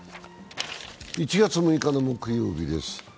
１月６日の木曜日です。